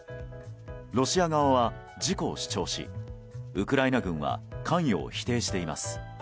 ロシア側は事故を主張しウクライナ軍は関与を否定しています。